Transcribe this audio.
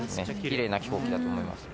きれいな飛行機だと思います。